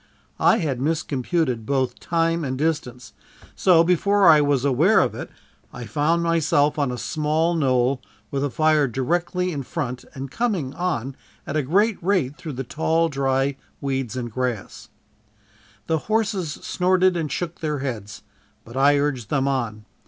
I had miscomputed both time and distance, so before I was aware of it, I found myself on a small knoll, with the fire directly in front and coming on at a great rate through the tall dry weeds and grasses. The horses snorted and shook their heads, but I urged them on.